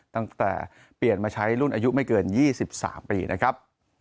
ตั้งแต่เปลี่ยนมาใช้รุ่นอายุไม่เกิน๒๓ปีนะครับ